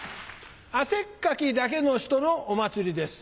汗っかきだけの人のお祭りです。